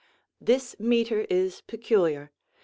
This metre is peculiar.